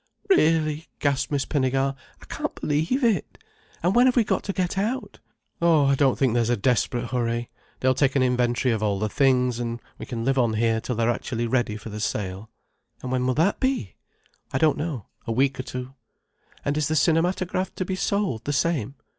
"Really!" gasped Miss Pinnegar. "I can't believe it! And when have we got to get out?" "Oh, I don't think there's a desperate hurry. They'll take an inventory of all the things, and we can live on here till they're actually ready for the sale." "And when will that be?" "I don't know. A week or two." "And is the cinematograph to be sold the same?"